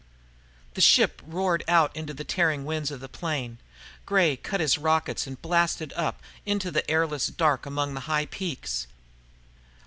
The ship roared out into the tearing winds of the plain. Gray cut in his rockets and blasted up, into the airless dark among the high peaks.